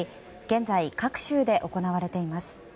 現在、各州で行われています。